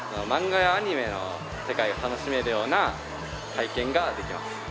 漫画やアニメの世界を楽しめるような体験ができます。